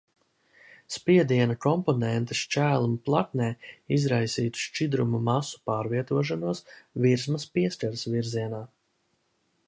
Spiediena komponente šķēluma plaknē izraisītu šķidruma masu pārvietošanos virsmas pieskares virzienā.